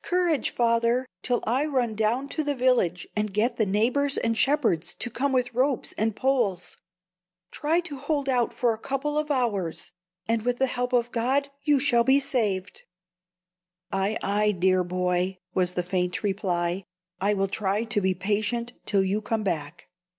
"Courage, father, till I run down to the village, and get the neighbors and shepherds to come with ropes and poles. Try to hold out for a couple of hours, and with the help of God you shall be saved." "Ay, ay, dear boy," was the faint reply; "I will try to be patient till you come back."